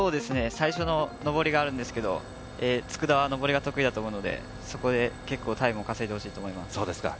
最初の上りがあるんですけど、佃は上りが得意だと思うので、そこで結構タイムを稼いでほしいと思います。